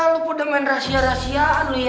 lo pada main rahasia rahasiaan lo ya